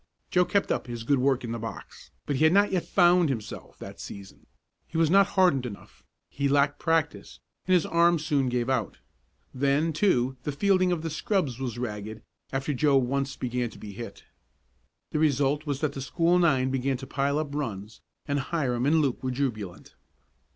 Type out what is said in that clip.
Joe kept up his good work in the box, but he had not yet "found" himself that season. He was not hardened enough; he lacked practice, and his arm soon gave out. Then, too the fielding of the scrubs was ragged, after Joe once began to be hit. The result was that the school nine began to pile up runs, and Hiram and Luke were jubilant.